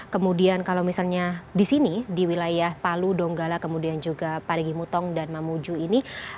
kemudian kalau misalnya di sini di wilayah palu donggala kemudian juga parigi mutong dan mamuju ini